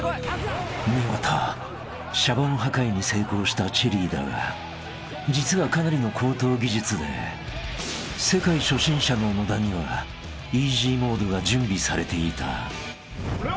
［見事シャボン破壊に成功したチェリーだが実はかなりの高等技術で世界初心者の野田には］これはもう易しい。